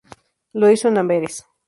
Lo hizo en Amberes.